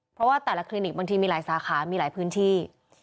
เพราะว่าแต่ละคลินิกบางทีมีหลายสาขามีหลายพื้นที่